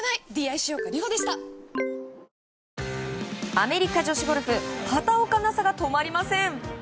アメリカ女子ゴルフ畑岡奈紗が止まりません。